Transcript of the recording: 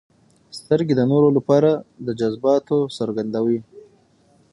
• سترګې د نورو لپاره زموږ د جذباتو څرګندوي.